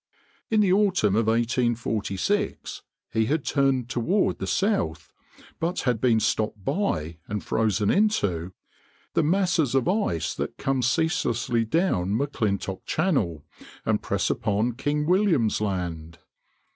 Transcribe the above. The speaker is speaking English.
In the autumn of 1846 he had turned toward the south, but had been stopped by and frozen into the masses of ice that come ceaselessly down M'Clintock Channel and press upon King William's Land.